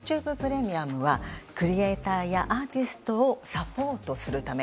理由もそれぞれ見ていきますとＹｏｕＴｕｂｅプレミアムはクリエーターやアーティストをサポートするため。